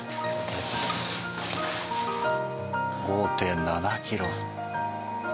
５．７キロ。